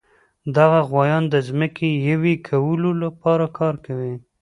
دغه غوایان د ځمکې یوې کولو لپاره کار کوي.